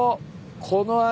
この味。